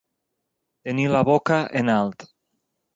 Tenir la boca en alt.